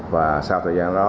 và sau thời gian